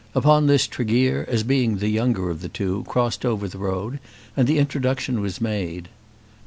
Upon this Tregear, as being the younger of the two, crossed over the road, and the introduction was made.